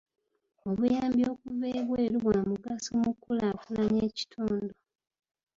Obuyamb okuva ebweru bwa mugaso mu kkulaakulanya ekitundu.